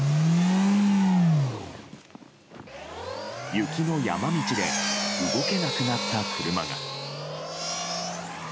雪の山道で動けなくなった車が。